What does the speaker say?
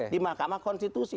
di mahkamah konstitusi